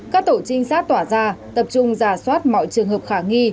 các tổ trinh sát tỏa ra tập trung giả soát mọi trường hợp khả nghi